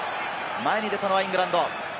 前に出たのはイングランド。